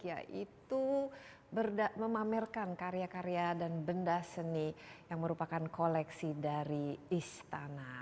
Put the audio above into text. yaitu memamerkan karya karya dan benda seni yang merupakan koleksi dari istana